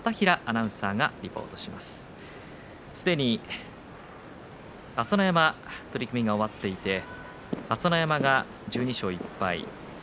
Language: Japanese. すでに朝乃山、取組が終わって朝乃山が１２勝１敗。